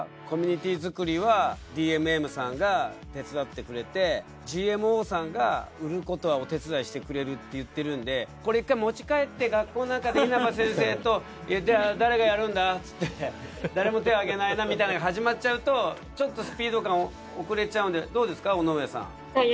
コミュニティ作りはＤＭＭさんが手伝ってくれてＧＭＯさんが売ることはお手伝いしてくれるって言ってるんでこれ１回持ち帰って学校の中で稲葉先生と誰がやるんだっつって誰も手あげないなみたいなの始まっちゃうとちょっとスピード感遅れちゃうんでどうですか尾上さん。